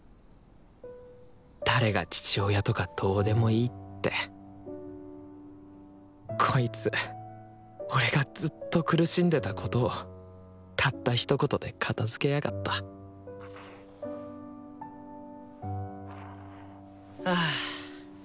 「誰が父親とかどうでもいい」ってこいつ俺がずっと苦しんでたことをたったひと言で片づけやがったあ。